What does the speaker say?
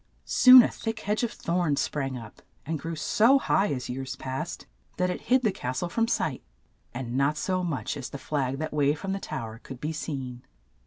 Soon a thick hedge of thorns sprang up, and grew so high, as years passed, that it hid the cas tle from sight, and not so much as the flag that waved from the tow er could be seen.